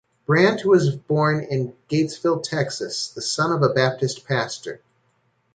Bryant was born in Gatesville, Texas, the son of a Baptist pastor.